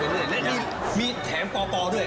เพราะว่าคุณสู้ไปเรื่อยและมีแถมโปด้วย